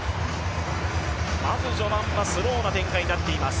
まず序盤はスローな展開になっています。